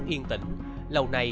bốn yên tĩnh lầu này